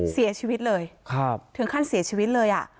เสียชีวิตเลยถึงขั้นเสียชีวิตเลย